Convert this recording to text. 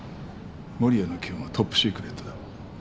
守谷の件はトップシークレットだ。